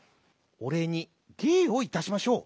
おれいにげいをいたしましょう。